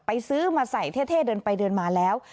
ซื้อมาใส่เท่เดินไปเดินมาแล้ว